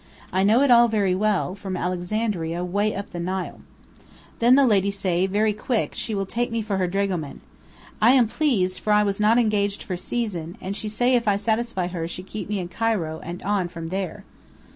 I know it all very well, from Alexandria way up Nile.' Then the lady say very quick she will take me for her dragoman. I am pleased, for I was not engaged for season, and she say if I satisfy her she keep me in Cairo and on from there."